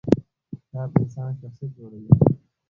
کار د انسان شخصیت جوړوي